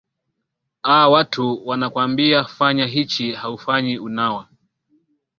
a watu wanakwambia fanya hichi haufanyi unawa